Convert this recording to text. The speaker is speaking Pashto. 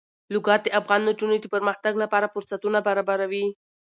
لوگر د افغان نجونو د پرمختګ لپاره فرصتونه برابروي.